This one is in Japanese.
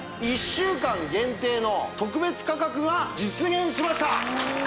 １週間限定の特別価格が実現しました